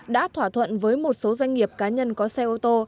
đã thỏa thuận với một số doanh nghiệp cá nhân có xe ô tô